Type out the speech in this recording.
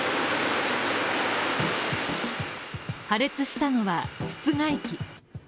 破裂したのは室外機。